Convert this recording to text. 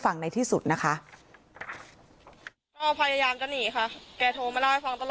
ในที่สุดนะคะก็พยายามจะหนีค่ะแกโทรมาเล่าให้ฟังตลอด